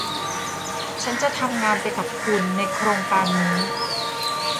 ฉันจะทำงานไปกับคุณในโครงการนี้